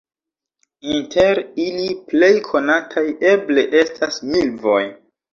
Inter ili plej konataj eble estas milvoj.